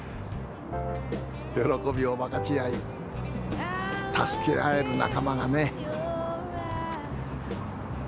喜びを分かち合い助け合える仲間がね。